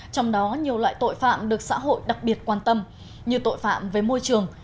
trong đó nhiều loại tội phạm được xã hội đặc biệt quan tâm như tội phạm với môi trường